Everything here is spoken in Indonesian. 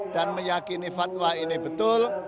dan meyakini fatwa ini betul